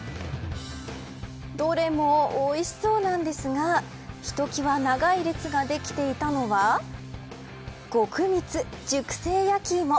どれもおいしそうなんですがひときわ長い列ができていたのは極蜜熟成やきいも。